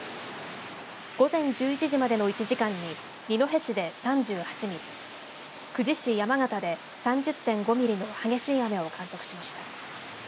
午前１１時までの１時間に二戸市で３８ミリ、久慈市山形で３０．５ミリの激しい雨を観測しました。